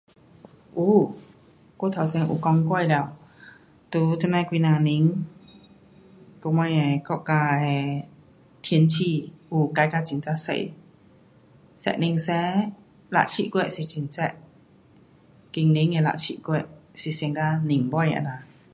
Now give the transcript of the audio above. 有，我头先有讲过了，在这那几呐年，我们的国家的天气，有改到很呀多，十年前六七月是很热，今年的六七月是像嘎年尾这样。